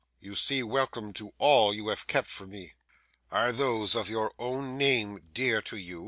You are welcome to all you have kept from me.' 'Are those of your own name dear to you?